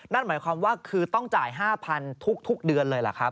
นั่นหมายความว่าคือต้องจ่าย๕๐๐๐ทุกเดือนเลยเหรอครับ